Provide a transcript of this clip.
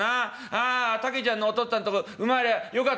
ああタケちゃんのお父っつぁんとこ生まれりゃよかったなあ。